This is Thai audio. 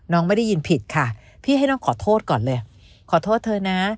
ไม่ได้ยินผิดค่ะพี่ให้น้องขอโทษก่อนเลยขอโทษเธอนะ